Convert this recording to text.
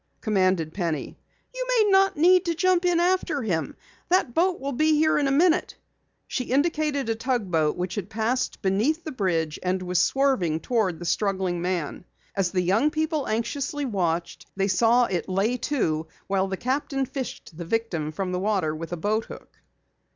commanded Penny. "You may not need to jump in after him. That boat will be there in a minute." She indicated a tugboat which had passed beneath the bridge and was swerving toward the struggling man. As the young people anxiously watched, they saw it lay to while the captain fished the victim from the water with a boat hook.